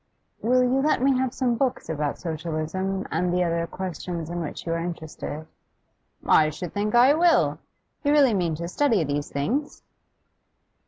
'Will you let me have some books about Socialism, and the other questions in which you are interested?' 'I should think I will! You really mean to study these things?